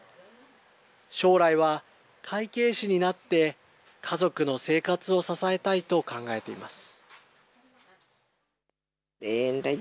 将来は会計士になって、家族の生活を支えたいと考えています。